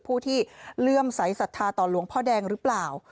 ผู้ที่เลื่อมใสสัทธาต่อหลวงพ่อแดงหรือเปล่า